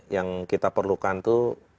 yang kita perlukan itu